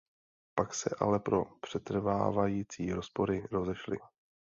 Pak se ale pro přetrvávající rozpory rozešli.